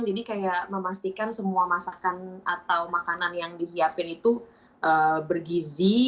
jadi kayak memastikan semua masakan atau makanan yang disiapin itu bergizi